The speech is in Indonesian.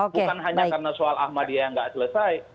bukan hanya karena soal ahmadiyah yang nggak selesai